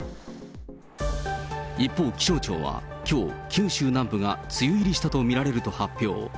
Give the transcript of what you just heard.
一方、気象庁はきょう、九州南部が梅雨入りしたと見られると発表。